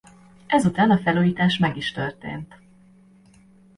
Ezután a felújítás meg is történt.